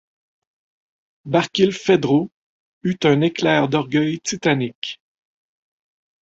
Barkilphedro eut un éclair d’orgueil titanique.